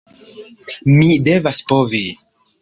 Mi devas povi.